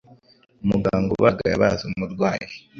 Umuganga ubaga yabaze umurwayi.